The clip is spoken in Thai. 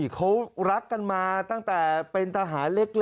เขารักกันมาตั้งแต่เป็นทหารเล็ก